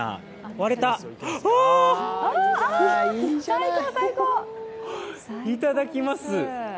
いただきます。